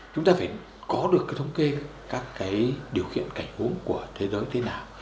chúng ta phải có được thống kê các điều khiển cảnh hướng của thế giới thế nào